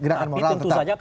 tapi tentu saja